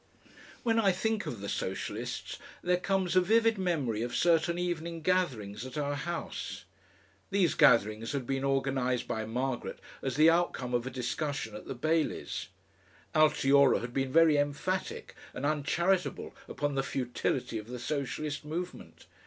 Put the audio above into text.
When I think of the Socialists there comes a vivid memory of certain evening gatherings at our house.... These gatherings had been organised by Margaret as the outcome of a discussion at the Baileys'. Altiora had been very emphatic and uncharitable upon the futility of the Socialist movement.